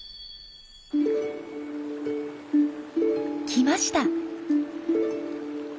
来ました。